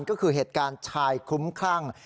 ก็คือเหตุการณ์ชายคลุ้มคลั่ง